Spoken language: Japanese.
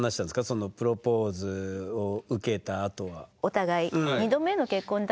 そのプロポーズを受けたあとは。